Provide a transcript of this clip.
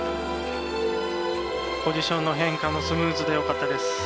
ポジションの変化もスムーズでよかったです。